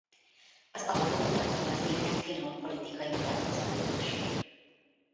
Az album tartalmaz néhány finom politikai nyilatkozatot is.